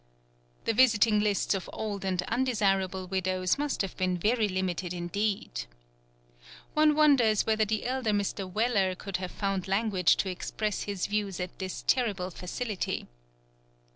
The visiting lists of old and undesirable widows must have been very limited indeed. One wonders whether the elder Mr. Weller could have found language to express his views at this terrible facility.